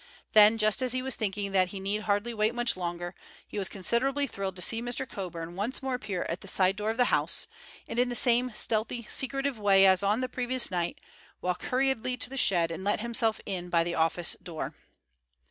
Then, just as he was thinking that he need hardly wait much longer, he was considerably thrilled to see Mr. Coburn once more appear at the side door of the house, and in the same stealthy, secretive way as on the previous night, walk hurriedly to the shed and let himself in by the office door.